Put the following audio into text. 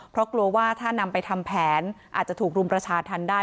เพราะกลัวว่าถ้านำไปทำแผนอาจจะถูกรุมประชาธรรมได้